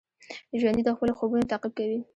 ژوندي د خپلو خوبونو تعقیب کوي